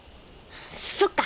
そっか。